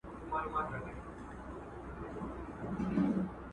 مشران ولي د بیان ازادي خوندي کوي؟